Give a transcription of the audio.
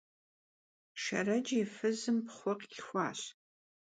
Şşerec yi fızım pxhu khilhxuaş.